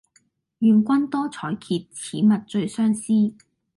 願君多采擷，此物最相思。